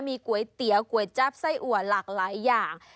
มีก๋วยเตี๋ยวก๋วยจั๊บไส้อัวหลากหลายอย่าง